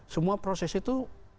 semua proses itu